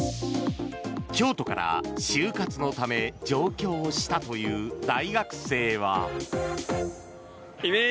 京都から就活のため上京したという大学生は。